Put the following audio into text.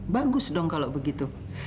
bagus dong kalau begitu